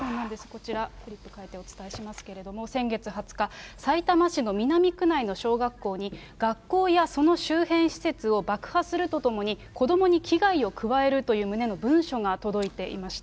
こちら、フリップ替えてお伝えしましたけれども、先月２０日、さいたま市の南区内の小学校に、学校やその周辺施設を爆破するとともに、子どもに危害を加えるという旨の文書が届いていました。